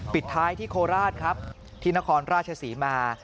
ปิดท้ายที่โคราชครับที่นครราชศรีมา